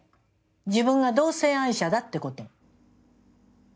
自分が同性愛者だってこと。